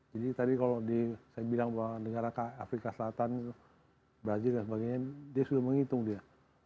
jadi tadi kalau saya bilang bahwa negara afrika selatan brazil dan sebagainya dia sudah menghitung dia